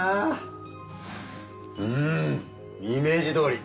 うんイメージどおり！